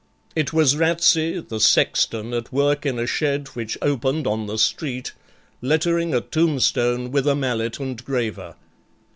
It was Ratsey the sexton at work in a shed which opened on the street, lettering a tombstone with a mallet and graver.